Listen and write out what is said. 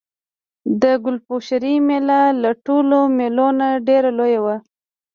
د کلشپورې مېله له ټولو مېلو نه ډېره لویه وه.